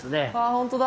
本当だ。